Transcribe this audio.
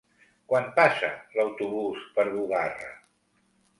Quan passa l'autobús per Bugarra?